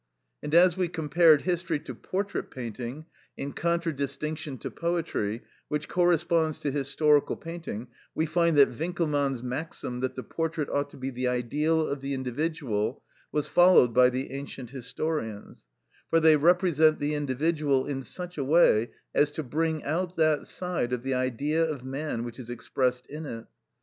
And as we compared history to portrait painting, in contradistinction to poetry, which corresponds to historical painting, we find that Winckelmann's maxim, that the portrait ought to be the ideal of the individual, was followed by the ancient historians, for they represent the individual in such a way as to bring out that side of the Idea of man which is expressed in it.